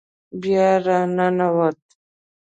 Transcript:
بیا را ننوت.